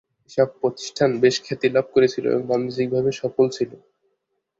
এসব প্রতিষ্ঠান বেশ খ্যাতি লাভ করেছিল এবং বাণিজ্যিকভাবে সফল ছিল।